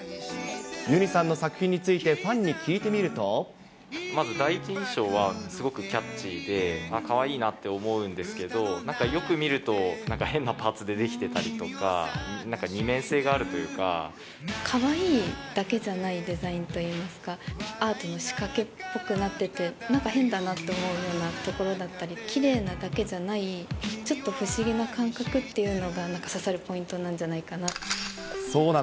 ユニさんの作品について、まず、第一印象はすごくキャッチーで、かわいいなって思うんですけど、なんかよく見ると、なんか変なパーツで出来てたりとか、かわいいだけじゃないデザインといいますか、アートの仕掛けっぽくなってて、なんか変だな？って思うようなところだったり、きれいなだけじゃない、ちょっと不思議な感覚っていうのが、なんかさ刺さるポイントなんじゃないかな。